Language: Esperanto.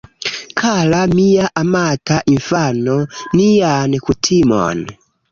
Kara, mia amata infano, nian kutimon...